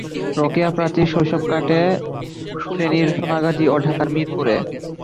রোকেয়া প্রাচীর শৈশব কাটে ফেনীর সোনাগাজী ও ঢাকার মিরপুরে।